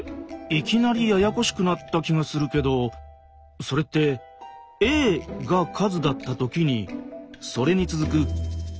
いきなりややこしくなった気がするけどそれって「『ａ』が数だった時にそれに続く『ａの次』も数だ」ってことだよね？